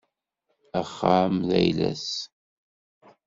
Axxam-a d ayla-s.